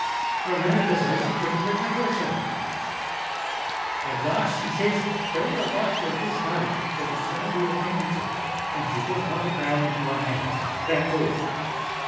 For a minute or so she couldn't recover herself: at last she says, 'Tell the writer of this note that it shall be attended to;'—and she put half a crown into my hand. That's all."